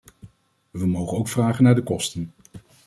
We mogen ook vragen naar de kosten.